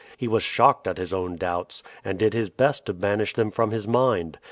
He was shocked at his own doubts, and did his best to banish them from his mind.